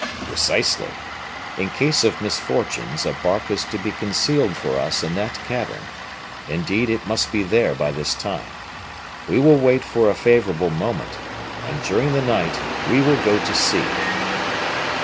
"Precisely. In case of misfortunes, a bark is to be concealed for us in that cavern; indeed, it must be there by this time. We will wait for a favorable moment, and during the night we will go to sea!"